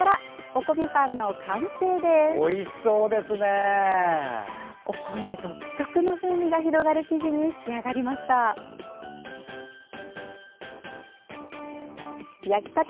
お米独特の風味が広がる生地に仕上がりました。